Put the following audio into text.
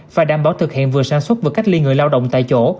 phải đảm bảo thực hiện vừa sản xuất vừa cách ly người lao động tại chỗ